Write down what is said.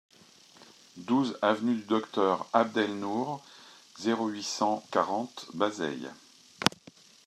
douze avenue du Docteur Abd El Nour, zéro huit, cent quarante, Bazeilles